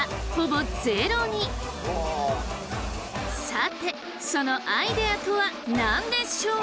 さてそのアイデアとは何でしょう？